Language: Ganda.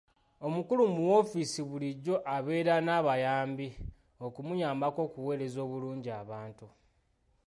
Omukulu mu woofiisi bulijjo abeera n'abayambi okumuyambako okuweereza obulungi abantu.